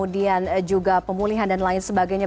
dan juga pemulihan dan lain sebagainya